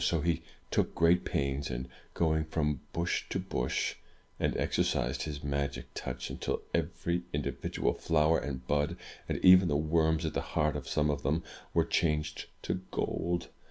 So he took great pains in going from bush to bush, and exercised his magic touch until every in dividual flower and bud, and — even the worms at the heart of some of them, were changed to gold.